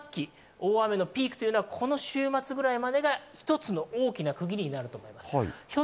大雨のピークはこの週末くらいまでというのが、一つの大きな区切りになると思います。